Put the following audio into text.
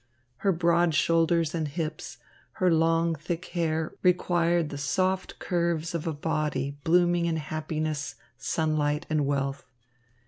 Her broad shoulders and hips, her long, thick hair required the soft curves of a body blooming in happiness, sunlight and wealth.